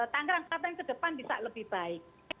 tangerang selatan ke depan bisa lebih baik